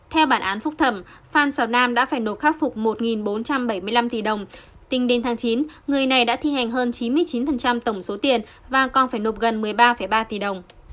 theo bản án phúc thẩm phan xào nam đã phải nộp khắc phục một bốn trăm bảy mươi năm tỷ đồng tính đến tháng chín người này đã thi hành hơn chín mươi chín tổng số tiền và còn phải nộp gần một mươi ba ba tỷ đồng